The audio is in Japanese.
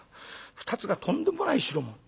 ２つがとんでもない代物。